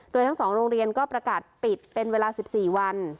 โดยทั้ง๒โรงเรียนก็ประกาศปิดเป็นเวลา๑๔วัน